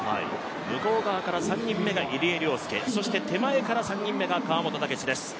向こう側から３人目が入江陵介、そして手前から３人目が川本武史です。